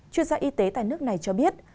chuyên gia y tế tại nước này cho biết